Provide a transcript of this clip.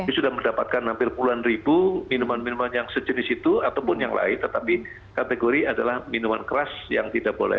sudah mendapatkan hampir puluhan ribu minuman minuman yang sejenis itu ataupun yang lain tetapi kategori adalah minuman keras yang tidak boleh